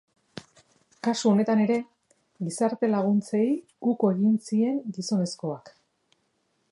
Kasu honetan ere, gizarte laguntzei uko egin zien gizonezkoak.